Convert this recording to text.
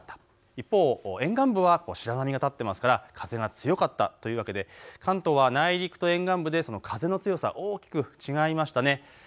一方、沿岸部は白波がが立ってますから風が強かったというわけで関東は内陸と沿岸部でその風の強さ、大きく違いましたね。